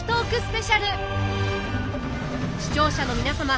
視聴者の皆様